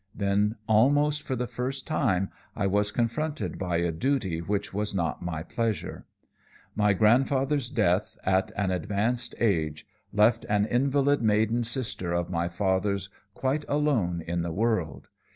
Then, almost for the first time, I was confronted by a duty which was not my pleasure. "My grandfather's death, at an advanced age, left an invalid maiden sister of my father's quite alone in the world.